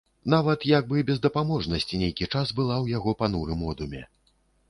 Нават як бы бездапаможнасць нейкі час была ў яго панурым одуме.